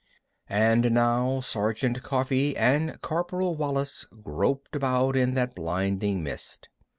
And now Sergeant Coffee and Corporal Wallis groped about in that blinding mist.